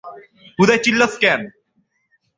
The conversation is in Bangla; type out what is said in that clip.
হুদাই চিল্লাছো কেন?